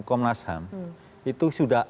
komnas ham itu sudah